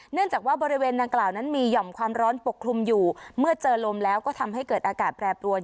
เนื่องจากว่าบริเวณดังกล่าวนั้นมีห่อมความร้อนปกคลุมอยู่เมื่อเจอลมแล้วก็ทำให้เกิดอากาศแปรปรวน